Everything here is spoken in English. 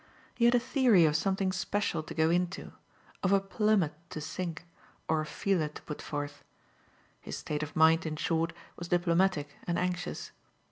He had a theory of something special to go into, of a plummet to sink or a feeler to put forth; his state of mind in short was diplomatic and anxious.